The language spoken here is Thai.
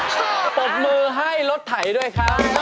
ชอบนะคะปรบมือให้รถถ่ายด้วยครับ